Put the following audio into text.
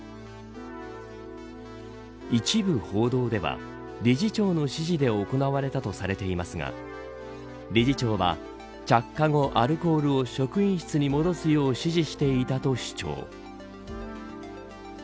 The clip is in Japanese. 一部報道では理事長の指示で行われたとされていますが理事長は、着火後アルコールを職員室に戻すよう指示していたと主張。